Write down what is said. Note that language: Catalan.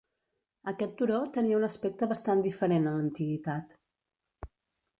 Aquest turó tenia un aspecte bastant diferent en l'antiguitat.